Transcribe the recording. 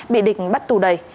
bị địch bắt tù đầy